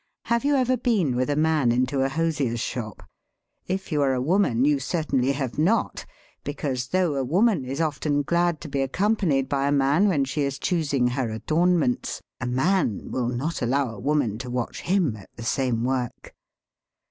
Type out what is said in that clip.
Have you ever been with a man into a hos ier's shop? If you are a woman you certainly have not, because, though a woman is often glad to be accompanied by a man when she is choosing her adornments, a man will not allow a woman to watch him at the same work.